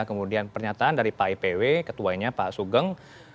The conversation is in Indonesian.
kemudian pernyataan dari pak ipw ketuanya pak sugeng